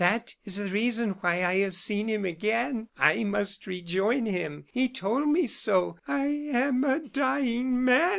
That is the reason why I have seen him again. I must rejoin him; he told me so I am a dying man!"